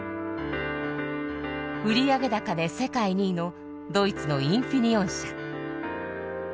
売上高で世界２位のドイツのインフィニオン社。